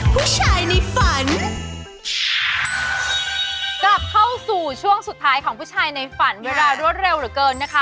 ผู้ชายในฝันกลับเข้าสู่ช่วงสุดท้ายของผู้ชายในฝันเวลารวดเร็วเหลือเกินนะคะ